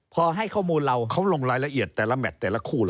พอให้ข้อมูลเราเขาลงรายละเอียดแต่ละแมทแต่ละคู่เหรอ